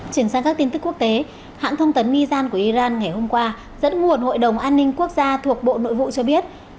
chuyển sang các tin tức quốc tế hãng thông tấn mizan của iran ngày hôm qua dẫn nguồn hội đồng an ninh quốc gia thuộc bộ nội vụ cho biết